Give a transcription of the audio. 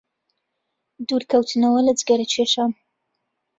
دوورکەوتنەوە لە جگەرەکێشان